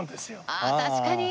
ああ確かに。